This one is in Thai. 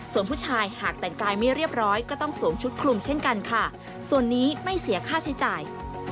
ส่วนผู้ชายหากแต่งกายไม่เรียบร้อยก็ต้องสวมชุดคลุมเช่นกันค่ะส่วนนี้ไม่เสียค่าใช้จ่าย